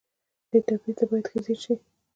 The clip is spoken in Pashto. دې توپير ته بايد ښه ځير شئ.